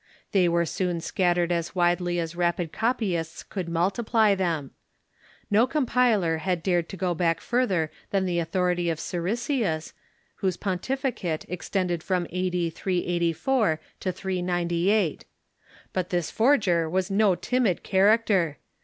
They were soon scattered as widely as rapid copyists could multiply them. No compiler had dared to go back further than the authority of Siricius, whose pontif icate extended from a.d. 384 to 398. But this foi'ger was no timid character.